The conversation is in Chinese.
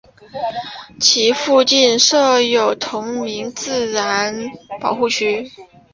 其附近设有同名的自然保护区。